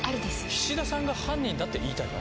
菱田さんが犯人だって言いたいの？